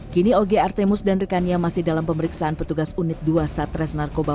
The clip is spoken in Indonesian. kini oge artemus dan rekannya masih dalam pemeriksaan petugas unit dua satres narkoba